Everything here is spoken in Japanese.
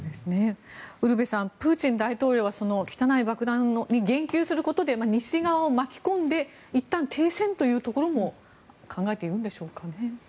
ウルヴェさんプーチン大統領はその汚い爆弾に言及することで西側を巻き込んでいったん停戦というところも考えているんでしょうかね？